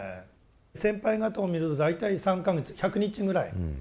先輩方を見ると大体３か月１００日ぐらい。